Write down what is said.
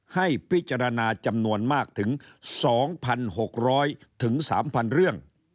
ให้พิจารณาจำนวนมากถึง๒๖๐๐๓๐๐เรื่อง